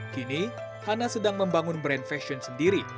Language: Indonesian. kini hana sedang membangun brand fashion sendiri